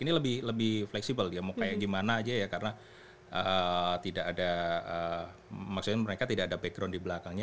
ini lebih fleksibel ya mau kayak gimana aja ya karena tidak ada maksudnya mereka tidak ada background di belakangnya